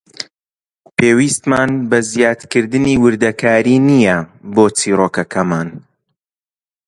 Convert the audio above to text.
پێویستمان بە زیادکردنی وردەکاری نییە بۆ چیرۆکەکەمان.